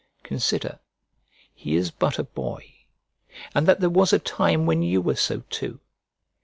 Consider, he is but a boy, and that there was a time when you were so too.